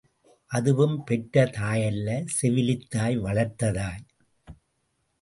அதுவும் பெற்ற தாயல்ல செவிலித்தாய் வளர்த்த தாய்.